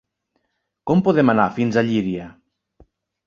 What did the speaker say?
Com podem anar fins a Llíria?